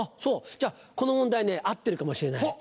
じゃあこの問題ね合ってるかもしれない。